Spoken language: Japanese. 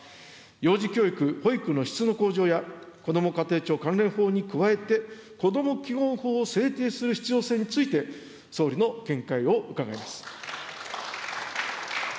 幼児教育・保育の質の向上や、こども家庭庁関連法に加えて、子ども基本法を制定する必要性について、総理の見解を伺います。